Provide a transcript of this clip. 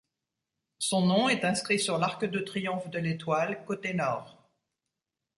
Son nom est inscrit sur l'arc de triomphe de l'Étoile, côté Nord.